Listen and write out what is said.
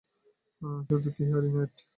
শুধুই কি hearing aid?